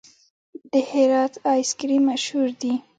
د هرات آیس کریم مشهور دی؟